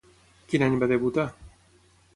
Quin any va debutar?